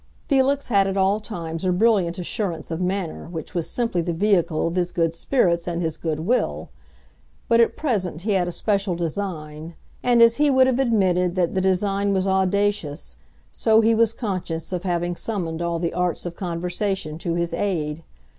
Felix had at all times a brilliant assurance of manner which was simply the vehicle of his good spirits and his good will; but at present he had a special design, and as he would have admitted that the design was audacious, so he was conscious of having summoned all the arts of conversation to his aid.